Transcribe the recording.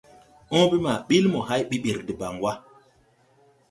Õõbe ma ɓil mo hay ɓiɓir debaŋ wà.